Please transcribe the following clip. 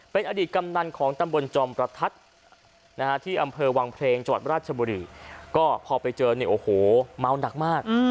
เป็นอดีตกำนันของตำบลจอมประทัดนะฮะที่อำเภอวังเพลงจังหวัดราชบุรีก็พอไปเจอเนี่ยโอ้โหเมาหนักมาก